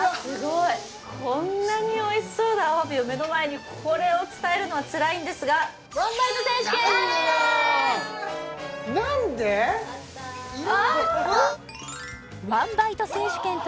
こんなにおいしそうなアワビを目の前にこれを伝えるのはつらいんですが何でだよ